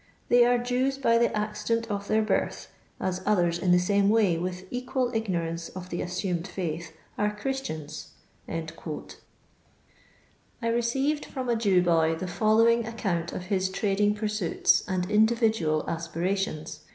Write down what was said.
They are Jews by the accident of their birth, as others in the same way, with eqnal igno> ranee of the assumed fiuth, are Christiana.'' I received from a Jew boy the followimg ac count of his trading pursuits and individnal aspi rations.